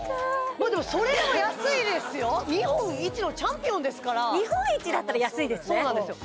まあでもそれでも安いですよ日本一のチャンピオンですから日本一だったら安いですねそうなんですよ